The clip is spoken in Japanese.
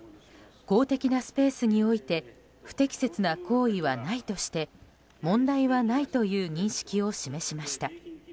公的なスペースにおいて不適切な行為はないとして問題はないという認識を示しました。